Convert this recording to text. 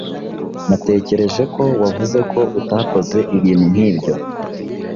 Natekereje ko wavuze ko utakoze ibintu nkibyo.